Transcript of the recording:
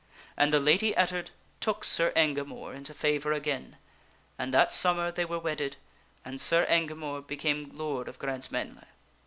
And the Lady Ettard took Sir Engamore into favor again, and that summer they were wedded and Sir Engamore became lord of Grant mesnle.